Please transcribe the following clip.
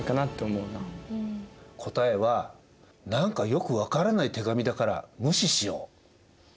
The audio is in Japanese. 答えは何かよく分からない手紙だから無視しようということでした。